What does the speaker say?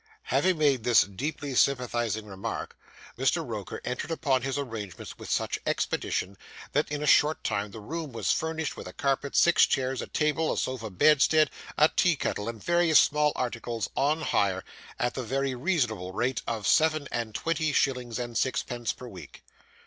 Having made this deeply sympathising remark, Mr. Roker entered upon his arrangements with such expedition, that in a short time the room was furnished with a carpet, six chairs, a table, a sofa bedstead, a tea kettle, and various small articles, on hire, at the very reasonable rate of seven and twenty shillings and sixpence per week.